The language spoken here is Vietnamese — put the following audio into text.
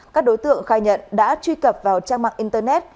các đối tượng khai nhận đã truy cập vào trang mạng internet